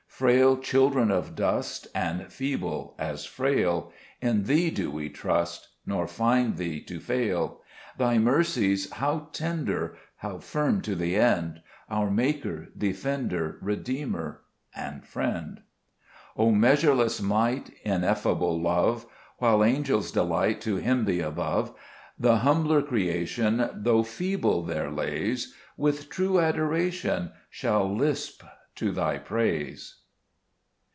5 Frail children of dust, and feeble as frail, In Thee do we trust, nor find Thee to fail ; Thy mercies how tender, how firm to the end, Our Maker, Defender, Redeemer, and Friend ! 6 O measureless Might ! Ineffable Love ! While angels delight to hymn Thee above, The humbler creation, though feeble their lays, With true adoration shall lisp to Thy praise.